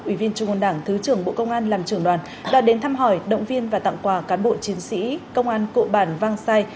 ủy viên trung ơn đảng thứ trưởng bộ công an làm trưởng đoàn đoàn đến thăm hỏi động viên và tặng quà cán bộ chiến sĩ công an cộng bản vang sai